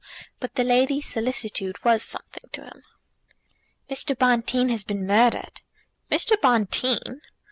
But the lady's solicitude was something to him. "Mr. Bonteen has been murdered!" "Mr. Bonteen!"